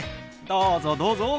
どうぞどうぞ。